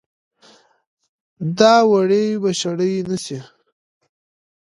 دا وړۍ به شړۍ نه شي